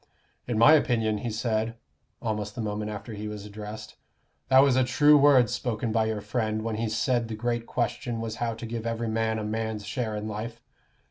"In my opinion," he said, almost the moment after he was addressed, "that was a true word spoken by your friend when he said the great question was how to give every man a man's share in life.